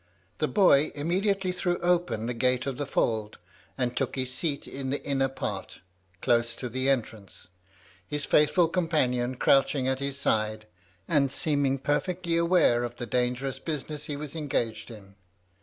The boy immediately threw open the gate of the fold, and took his seat in the inner part, close to the entrance, his faithful companion crouching at his side, and seeming perfectly aware of the dangerous business he was engaged in.